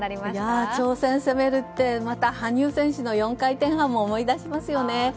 挑戦、攻めるってまた、羽生選手の４回転半を思い出しますよね。